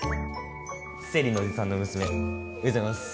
生理のおじさんの娘おはようございます。